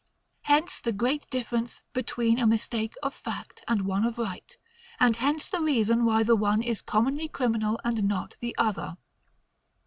Hence the great difference between a mistake of FACT and one of RIGHT; and hence the reason why the one is commonly criminal and not the other.